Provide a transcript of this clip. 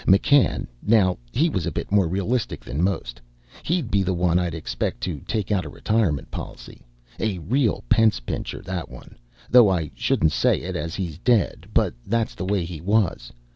McCann, now, he was a bit more realistic than most. He'd be the one I'd expect to take out a retirement policy. A real pence pincher, that one, though I shouldn't say it as he's dead. But that's the way he was.